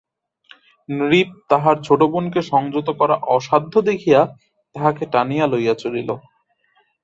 নৃপ তাহার ছোটো বোনকে সংযত করা অসাধ্য দেখিয়া তাহাকে টানিয়া লইয়া চলিল।